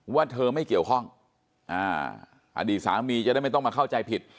ว่าเธอไม่เกี่ยวข้องอดีตสามีจะได้ไม่ต้องมาเข้าใจผิด